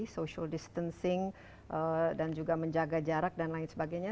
social distancing dan juga menjaga jarak dan lain sebagainya